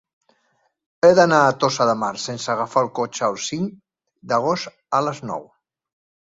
He d'anar a Tossa de Mar sense agafar el cotxe el cinc d'agost a les nou.